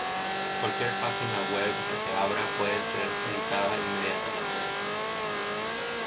Cualquier página web que se abra puede ser editada inmediatamente.